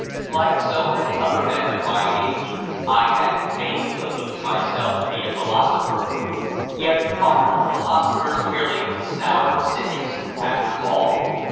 Like so many other men of my age, I had vainly believed myself to be a philosopher. Yet are not philosophers merely soured cynics, after all?